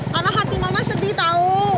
karena hati mama sedih tau